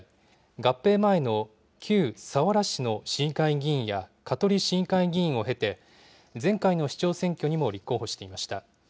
合併前の旧佐原市の市議会議員や香取市議会議員を経て、前回の市長選挙にも立候補していました。